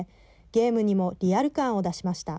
ゲームにもリアル感を出しました。